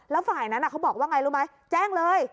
แล้วฝ่ายนั้นเขาบอกว่าไงรู้ไหมแจ้งเลย